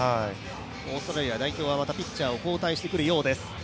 オーストラリア代表はまたピッチャーを交代してくるようです。